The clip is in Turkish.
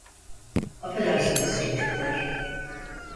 Affedersiniz çocuklar.